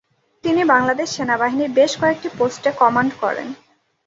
তিনি বাংলাদেশ সেনাবাহিনীর বেশ কয়েকটি পোস্টে কমান্ড করেন।